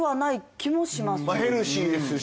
ヘルシーですし。